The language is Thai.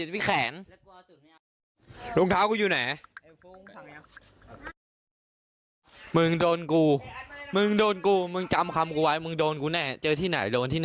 เป็นรุ่นพี่จริงใช่ไหม